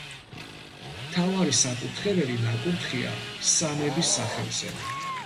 მთავარი საკურთხეველი ნაკურთხია სამების სახელზე.